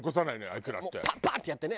あいつらって。